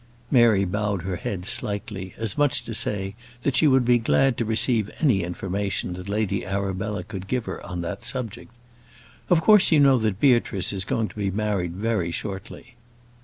Mary bowed her head slightly, as much to say, that she would be glad to receive any information that Lady Arabella could give her on that subject. "Of course you know that Beatrice is going to be married very shortly."